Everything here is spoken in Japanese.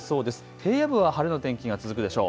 平野部は晴れの天気が続くでしょう。